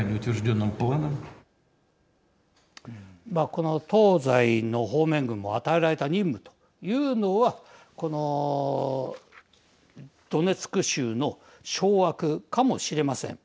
この東西の方面軍も与えられた任務というのはこのドネツク州の掌握かもしれません。